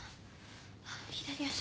あっ左足。